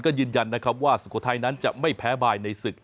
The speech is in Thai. ก็ยืนยันว่าสุโกไทยนั้นจะไม่แพ้บ่ายในศึก